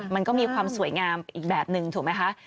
มันก็มีความสวยงามอีกแบบนึงถูกไหมคะ